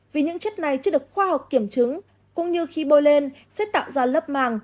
vì những chất này chưa được khoa học kiểm chứng cũng như khi bôi lên sẽ tạo ra lớp màng